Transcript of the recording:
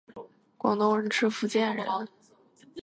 广东人吃福建人！